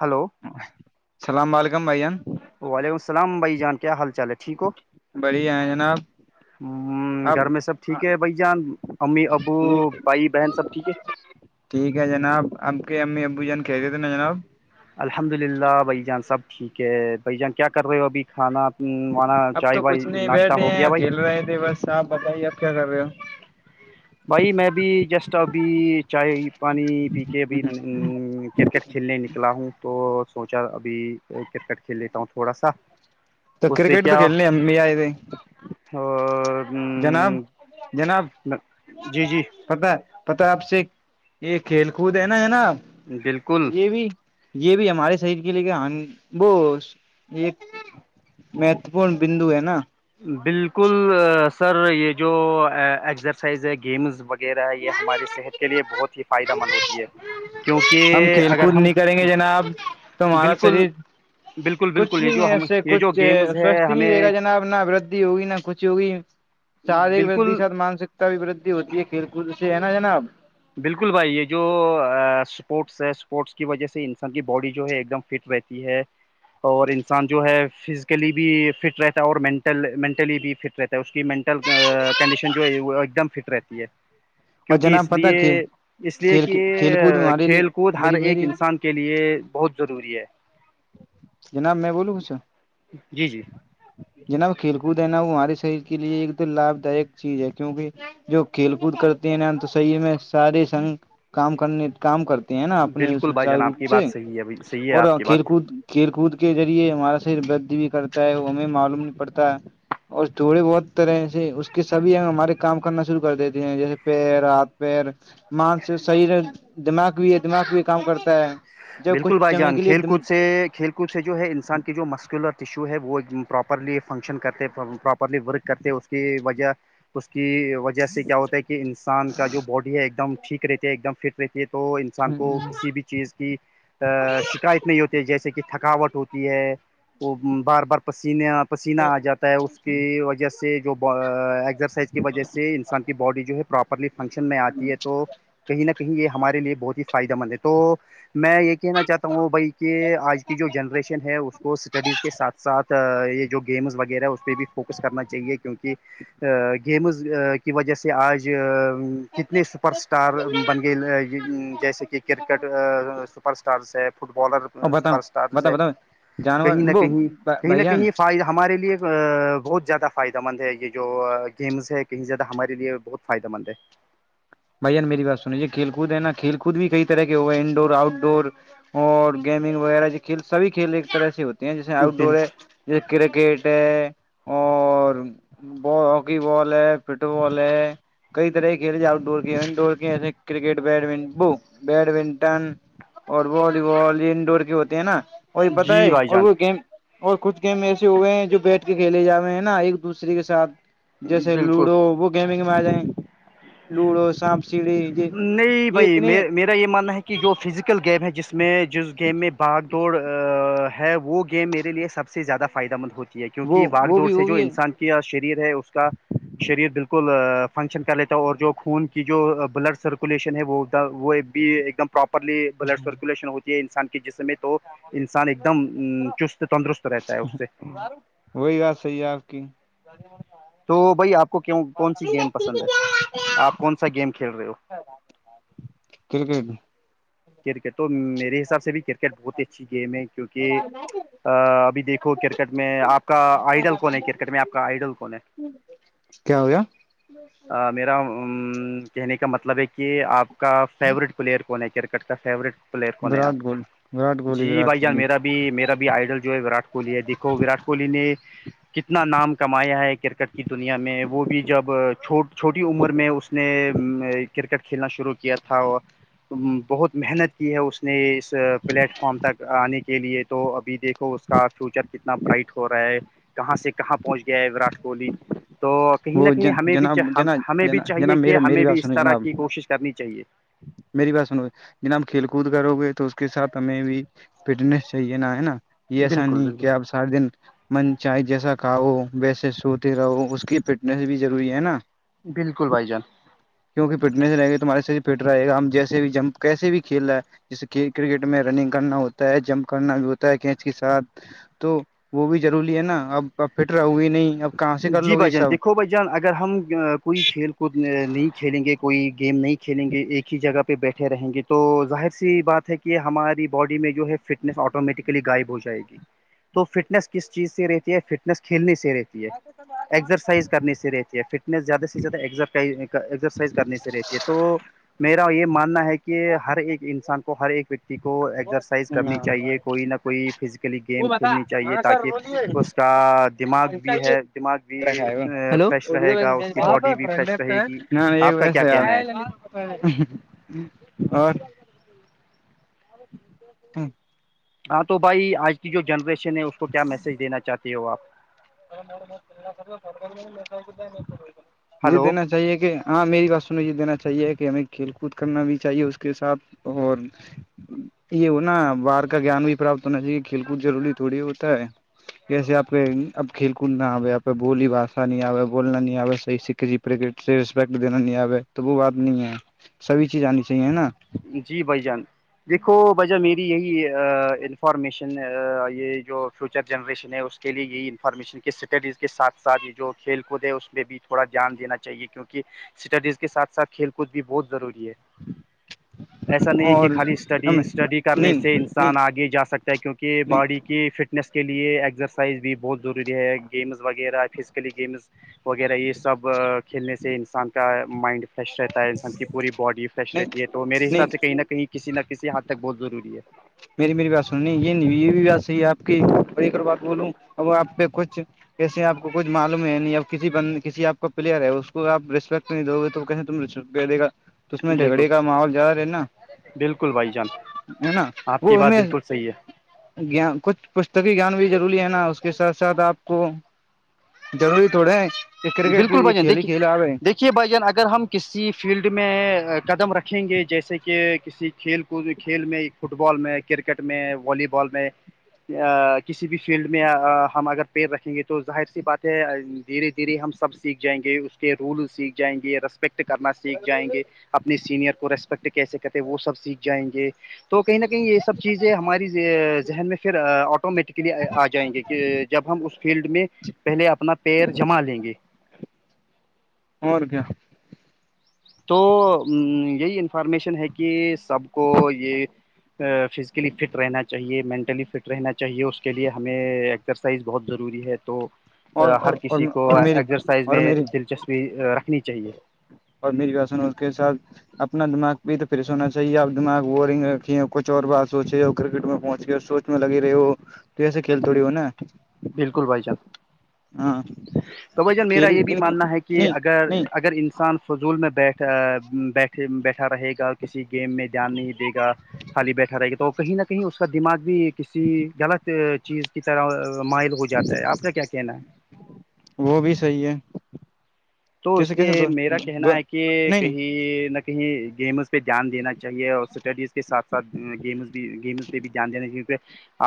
hello السلام و علیکم بھائی جان وعلیکم السلام بھائی جان کیا حال چال ہے ٹھیک ہو بڑھیا ہیں جناب ہ آپ گھر میں سب ٹھیک ہے بھائی جان امی ابو ٹھیک بھائی بہن سب ٹھیک ہے ٹھیک ہے جناب اب کے امی ابو جان کہتے تھے نا جناب الحمد للہ بھائی جان سب ٹھیک ہے بھائی جان کیا کر رہے ہو ابھی کھانا وانا چائے بائی ناشتہ ہو گیا بھائی [unintelligible] صاحب بتائیے آپ کیا کر رہے ہو بھائی میں بھی جسٹ ابھی چائے پانی پی کے ابھی کرکٹ کھیلنے نکلا ہوں تو سوچا ابھی کرکٹ کھیل لیتا ہوں تھوڑا سا تو اس کرکٹ تو کھیلنےمی آئے تھے اور جناب جناب جی جی پتا پتا آپ سے یہ کھیل کود ہے نا ہے نا بالکل یہ بھی یہ بھی ہمارے شریر کے لیے کہ وہ یہ میتھپون بندو ہے نا بالکل سر یہ جو ایکزرسائز ہے گیمز وغیرہ یہ ہماری صحت کے لیے بہت ہی فائدہ مند ہوتی ہے ہم کیونکہ کھیل اگر کود ہم نہیں کریں جناب تمہارا بالکل شریر بالکل کچھ بالکل یہ بھی جو نہیں ہم ایسے یہ جو کچھ گیمز ہے سوستھ نہیں رہے ہمیں گا جناب نہ وردھی ہوگی نہ کچھ ہوگی شارییرک ود کے بالکل ساتھ مانسکتا بھی ودھی ہوتی ہے کھیل کود سے ہے نا جناب بالکل بھائی یہ جو اسپورٹس ہے اسپورٹس کی وجہ سے انسان کی باڈی جو ہے ایک دم فٹ رہتی ہے اور انسان جو ہے فزیکلی بھی فٹ رہتا ہے اور مینٹل مینٹلی بھی فٹ رہتا اس کی مینٹل کنڈیشن جو ہے وہ ایک دم فٹ رہتی ہے اور کیونکہ جناب اس پتہ کہ لیے اس لیے کھیل کہ کھیل کود ہمارے لیے کھیل کود ہر میری ایک میری انسان کے لیے بہت ضروری ہے [inaudible] جی جی ج نا وہ کھیل کود ہے نا وہ ہمارے شریر کے لیے ایک دم لابھ دائک چیز ہے کیونکہ جو کھیل کود کرتے ہیں ن ہم تو سریر میں سارے سنگ کام کرنے کام کرتے ہیں نا اپنے بالکل بھائی سچار جان آپ روپ کی سے بات صحیح ہے صحیح ہے اور آپ کی کھیل بات کود کھیل کود کے ذریعے ہمارا سر بد بھی کرتا ہے وہ ہمیں معلوم نہیں پڑتا اور تھوڑے بہت طرح سے اس کے سبھی ہمارے کام کرنا شروع کر دیتے ہیں جیسے پیر ہاتھ پیر مانس شریر دماغ بھی ہے دماغ بھی کام کرتا ہے [unintelligible] بالکل کچھ بھائی سمے جان کے لیے کھیل دم کود سے کھیل سے جو ہے انسان کی جو مسکولر ٹیشو ہے وہ پراپرلی فنکشن کرتے پراپرلی ورک کرتے اس کی وجہ اس کی وجہ جیسے کیا ہوتا ہے کہ انسان کا جو باڈی ہے ایک دم ٹھیک رہتی ہے ایک دم فٹ رہتی ہے تو انسان کو کسی بھی چیز کی ا شکایت نہیں ہوتی ہے جیسے کہ تھکاوٹ ہوتی ہے وہ بار بار پسینے پسینہ تو آ جاتا ہے اس کی وجہ سے جو ایکسرسائز کی وجہ سے انسان کی باڈی جو ہے پراپرلی فنکشن میں آتی ہے تو کہیں نہ کہیں یہ ہمارے لیے بہت ہی فائدہ مند ہے تو میں یہ کہنا چاہتا ہوں بھائی کہ آج کی جو جنریشن ہے اس کو اسٹڈیز کے ساتھ ساتھ یہ جو گیمز وغیرہ ہے اس پہ بھی فوکس کرنا چاہیے کیونکہ گیمز کی وجہ سے آج کتنے سپر اسٹار بن گئے جیسے کہ کرکٹ اسٹارس ہے فٹ بالر اور بتاؤ سپر اسٹارس بتاؤ ہے بتاؤ جانور کہیں نہ وہ کہیں کہیں نہ بھائی جان کہیں فار ہمارے لیے بہت زیادہ فائدہ مند ہے یہ جو گیمز ہے کہیں زیادہ ہمارے لیے بہت فائدہ مند ہے بھان میری بات سنییے کھیل کوود ہے نا کھیل کوود بھی کئی طرح کے ہوئے انڈور آؤٹ ڈور اور گیمنگ وغیرہ جو کھیل سبھی کھیل ایک طرح سے ہوتے ہیں جیسے آؤٹ ڈور ہے بالکل جیس کرکٹ ہے اور ب ہاکی بال ہے فٹ بال ہے کئی طرح کے کھیل جو آؤٹ ڈور گ دوڑٹ بیڈمٹ ب بیڈمٹن اور والی بال انڈور کے ہوتے ہیں نا وہی پتہ جی ہے بھائی اور جان وہ گیم اور کچھ گیم ایسے ہوئے ہیں جو بیٹھ کے کھیلے جا ہوئے ہیں نا ایک دوسرے کے ساتھ جیسے بالکل لوڈو وہ گیمنگ میں آ جائیں لوڈو سانپ سیڑھے یہ نہیں یہ بھائی اتنے میرا یہ ماننا ہے کہ جو فیزیکل گیم ہے جس میں جس گیم میں باگ دوڑ ہے وہ گیم میرے لیے سب زیادہ فائدہ مند ہوتی ہے کیونکہ وہ باغ وہ دوورڑ بھی سے وہ جو بھی ہے انسان شریر ہے اس کا شریر بالکل فنکشن کر لیتے اور جو خون کی جو بلڈ سرکولیشن ہے وہ وہ بھی ایک دم پراپرلی بلڈ سرکولیشن ہوتی ہے انسان کے جسم تو انسان ایک دم چست تندرست رہتا ہے اس سے وہی بات صحیح ہے آپ کی تو بھائی آپ کو کون سی گیم پسند ہے آپ کون سا گیم کھیل رہے ہو کرکٹ کرکٹ تو میرے حساب سے بھی کرکٹ بہت ہی اچھی گیم ہے کیوںکہ ابھی دیکھو کرکٹ میں آپ کا آئیڈل کون ہے کرکٹ میں آپ کا آئیڈل کون ہے کیا ہویا میرا کہنے کا مطلب ہے کہ آپ کا فیورٹ پلیئر کون ہے کر فورٹ پلیئر کون ہے وراٹ آپ کو کوہلی وراٹ کوہلی جی وراٹ بھائی جان کوہلی میرا بھی میرا بھی آئیڈل جو ہے ووراٹ کوہلی ہے دیکھو ووراٹ کوہلی نے کتنا نام کمایا ہے کرکٹ کی دنیا میں وہ بھی جبھو چھوٹی عمر میں اس نے کرکٹ کھیلنا شروع کیا تھا بہت محنت کی ہے اس نے اس پلیٹ فم تک آنے کی کے لیے تو ابھی دیکھو اس کا فیوچر کتنا برائٹ ہو رہا ہے کہاں سے کہاں پہنچ گیا ہے وراٹ کوہلی تو کہیں نہ وہ کہیں ہمیں بھی جناب جناب ہمیں بھی چاہیے جناب کہ میرا میری ہمیں بھی بات اس سنو طرح جناب کی کوشش کرنی چاہیے میری بات سنو جنا ہم کھیل کود کرو گے تو اس کے حساب ہمیں بھی فٹنیس چاہیے نا ہے نا یہ ایسا بالکل نہیں کہ بالکل آپ سارے دن من چاہے جیسا کھاو ویسے سوتے رہو اس کی پیٹی س بھی ضروری ہے نا بالکل بھائی جان کیونکہ فٹنس رہے گ تو تمہارے شریر فٹ رہے گا ہم جیسے بھی جمپ کیسے بھی کھی رہے ہے جیسے کہ کرکٹ میں رننگ کرنا ہوتا ہے جمپ کرنا بھی ہوتا ہے کینچ کے ساتھ تو وہ بھی ضروری ہے نا اب اب فٹ رہو گی نہیں اب کہاں سے کر جی لو گے بھائی جان سب دھو بھائی جان اگر ہم کوئی کھیل کود نہیں کھیلیں گے کوئی گیم نہیں کھیلیں گے ایک ہی جگہ پر بیٹھے رہیں گے تو ظاہر سی بات ہے کہ یہ ہماری باڈی میں جو ہے فٹنس آٹومیٹیکلی غائب ہو جائے گ تو فٹنس کس چیز سے رہتی ہے فٹنس کھیلنے سے رہتی ہے تو ایکزرسائز کرنے سے رہتی ہے فٹنس زیادہ سے زیادہرسائز کرنے سے رہتی ہے تو میرا یہ ماننا ہے کہ کہ ہر ایک انسان کو ہر ایک و کو ایکسرسائز کرنی چاہیے کوئی نہ کوئی فز کے لیے وہ گیم بتا کھیلنی چاہیے ہاں سر تاکہ بولیے اس کا دماغ بھی ہے دماغ بھی فریش رہے گا اس کی باڈی بھی فریش رہے گی آپ کا کیا کہنا ہے اور ہٹ ہاں تو بھائی آج کی جو جنریشن ہے اس کو کیا میسج دینا چاہتے ہو آپ جی ہلو دین چاہیے کہ ہاں میری بات سنیں یہ دینا چاہیے کہ ہمیں کھیل کود کرنا بھی چاہیے اس کے ساتھ اور یہ ہوناا باہر کا جان بھی پراپت ہونا چاہیے کھیل کود روری تھوڑی ہوتا ہے جسے آپ کے اب کھیل کود نہ آئےے آ پ بولی با نہیں آے بولنا نہیں آے صحیح سکھی رسپیکٹ دا نہیں آے تو وہ بات نہیں ہے سبھی چیز آنی چاہیے ہے نا جی بھائی جان دیکھو وجہ میری یہی انفارمیشن یہ جو فیوچر جنریشن ہے اس کے لیے یہ انفارمیشن کے اسٹڈیز کے سھ ساتھ ہی جو کھیل کود ہے اس میں بھی تھوڑا دھیان دینا چاہیے کیونکہ اسٹڈیز کے ساتھ ساتھ کھیل کود بھی بہت ضروری ہے ایسا نہیں ہے کہ اور خالی اسٹڈی ہمیں اسٹڈی کرنے نہیں سے نہیں انسان آگے جا سکے کیونکہ نہیں باڈی کی فٹنس کے لیے ایکسرسائز بھی بہت ضروری ہے گیمز وغیرہ فزیکلی گیمز وغیرہ یہ سب کھیلنے سے انسان کا مائنڈ فریش رہتا ہے انسان کی پوری باڈی فریش نہیں رہتی ہے تو میرے نہیں حساب سے کہیں نہ کہیں کسی نہ کسی حدھ تک بہت ضروری ہے میری میری بات سن یہ نہیں یہ بھی بات صحی ہے آپ کیڑ بات بولوں اب آپ پہ کچھ کیسے آپ کو کچھ معلوم ہے نہیں کسی ب کسی آپ کا پلیئر ہے اس کوپ رسپیکٹ دو گے تو کہسے تم چدے دےا اس ہے میں بالکل جھگڑے کا ماحول زیادہ رہ نا بالکل بھائی جان ہے نا آپ وہ کی بات میں بالکل صحیح ہے گان کچھ پستکی گان بھی ضروری ہے نا اس کے ساتھ ساتھ آپ کو ضروری تھوڑے ہیں کہ کرکٹ بھی بالکل یہ بھائی جان کھیلی دیکھیے کھیلی آ دیکھیے بھائی جان اگر ہم کسی فیلڈ میں قدم رکھیں گے جیسے کہ کسی کھیل کو کھیل میں فٹ بال میں کرکٹ میں والی بال میں کسی بھی فیلڈ میں ہم اگر پیر رکھیں گے تو ظاہر سی بات ہے دھیرے دھیرے ہم سب سیکھ جیںے اس کے رول سیکھ جائیں گے رس پیکٹ کرنا سیکھ جائیں گے اپنے سینئر کو ریسپیکٹ کیسے کرتے وہ سب سیکھ جائیں گے تو کہیں نہ کہیں یہ سب چیزیں ہماری ذہن میں پھر آٹومیٹکلی آ جائیں گی کہ جب ہم اس فیلڈ میں پہلے اپنا پر جما لیں گے اور کیا تو یہی انفارمیشن ہے کہ سب کو یہ فزیکلی فٹ رہنا چاہیے مینٹلی فٹ رہنا چاہیے اس کے لیے ہمیں ایکسرسائز بہت ضروری ہے تو اور ہر کسی اور کو اور میری ایزرسائز اور میں میری دلچسپی رکھنی چاہیے اور میری بسن اس کے ساتھ اپنا دماغ بھی تو فریش ہونا چاہیے اپ دماغ بورنگ رکھیےچھ اور بات سوچے اور کرکٹ میں پہنچے اور سوچے میں لگی رہی ہو تو ایسے کھیل تھڑی ہو نا بالکل بھائی جان ہاں تو ب ج میرا کھیل یہ بھی ماننا ہے کہ نہیں اگر نہیں اگر انسان فضول میں بیٹھ بیٹھے بیٹھا رہے گا کسی گیم میں دھیان نہیں دے گا خالی بیٹھا رہے گا تو کہیں نہ کہیں اس کا دماغ بھی کسی غلط چیز کی طرح مائل ہو جاتا ہے آپ کا کیا کہنا ہے وہ بھی صحیح ہے تو اس کیسے کیسے لیے دو میرا کہنا ہے کہ نہیں نہیں کہیں نہ کہیں گیمس پہ دھیان دین چاہیے اور اسٹڈیز کے سھ ساتھ گمز بھی گیمز پہ بھی دھیان دینا چاہیہ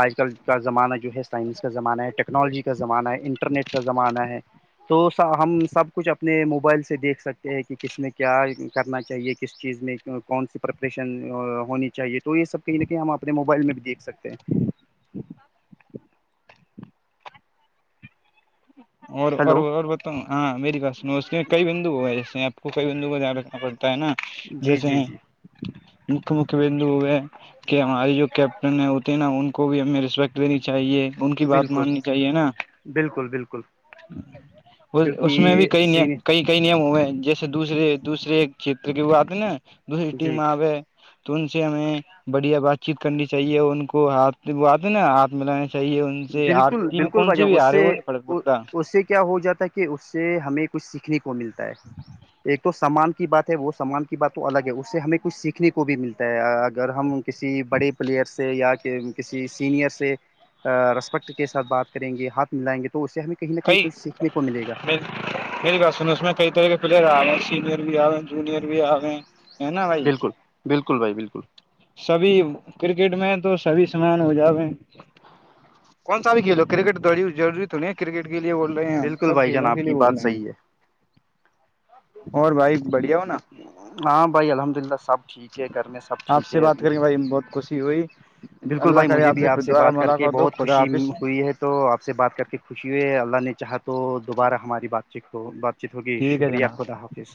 آج کل کا زمانہ جو ہے سائنس زمانہ ہے ٹیکنالوجی کا زمانہ ہے انٹرنیٹ کا زمانہ ہے تو ہم سب کچھ اپنے موبائل سے دیکھ سکتے ہیں کہ کس میں کیا کرنا چاہیے کس چیز میں کون سی پریپریشن ہونی چاہیے تو یہ سب کہیں نہ کہیں ہم اپنے موبائل میں بھی دیکھ سکتے ہیں ہلو اور ب [inaudible] تو ہاں میری باس اس میں کئی بندو ہو ہے جیسے آپ کو کئی بندو کا دھیان رکھنا پڑتا ہے نا جی جیسے جی جی مکہ مکھی بندو ہو گئے [inaudible] کہ ہمارے جو کیپٹن ہے ہوتے نا ان کو بھی ہمیں رسپیکٹ دینی چاہیے ان کی بات بالکل ماننی چاہیے نا بالکل بالکل اس میں بھی کیونکہ کئی سی ن کئی کئی نیم ہو جیسے دوسرے دوسرے چھیتر کے وہ آتے ہے نا دوسری جی ٹیم آوے تو ان سے ہمیں بڑھیا بات چیت کرنی چاہیے ان کو ہاتھ وہ آتے ہیں نا ہاتھ میںلانا چاہیے بالکل ٹیم بالکل کون بھائی سی جان بھی اس آ رہ ہے سے وہ نہیں پ پڑتا اس سے کیا ہو جاتا ہے کہ اس سے ہمیں کچھ سیکھنے کو ملتا ہے ایک تو سمان بات ہے وہ سامان کی بات تو الگ ہے اس سے ہمیں کچھ سیکھنے کو بھی ملتا ہے اگر ہم کسی بڑے پلیئر سے یا کہ کسی سینئر سے ریسپیکٹ کے ساتھ بات کریں گے ہاتھ ملائیں گے تو اس سے ہمیں کہیں نہ ک کہیں کچھ سیکھنے کو ملے گا م سن میں کئی طرح کے پلیئر آ گئے ہیں سینئر بھی آئے ہیں [inaudible] جئر بھی آ ہے نا بھائی بالکل بالکل بائی بالکل سبھی کرکٹ میں تو سبھی سمان ہو جاوے کون سا بھی کھیل ہو کرکٹ ضوری تو نہیں ہے کرکٹ کے لیے بول رہے ہیں ہم بالکل سب بھائی جان کھیلوں کے آپ لیے کی بول بات رہے ہیں صحیح ہے اور بھائی بڑھیا ہو نا ہاں بھائی الحمد للہ سب ٹھیک ہے گھر میں سب آپ ٹھیک سے ہے بات ابھی کر کے بھائی بہت خوشی ہوئی بالکل اللہ بھائی کرے مجھے بھی پھر آپ سے دوبارہ بات کر کے ملاقات ہو بہت خدا خوشی حافظ ہوئی ہے تو آپ سے بات کر کے خوشی ہوئی ہے اللہ نے چاہا تو دوبارہ ہماری بات چیت ہو بات ت ہوگی ٹھیک ہے شکریہ جناب خدا حافظ